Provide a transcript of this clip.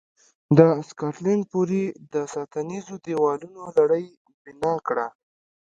د سکاټلند پورې د ساتنیزو دېوالونو لړۍ بنا کړه.